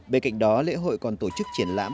bên cạnh đó lễ hội còn tổ chức triển lãm